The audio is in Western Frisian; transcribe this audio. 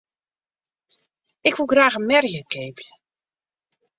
Ik woe graach in merje keapje.